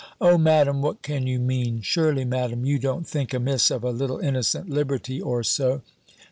"O, Madam, what can you mean? Surely, Madam, you don't think amiss of a little innocent liberty, or so!"